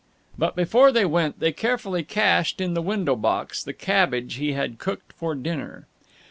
But before they went they carefully cached in the window box the cabbage he had cooked for dinner.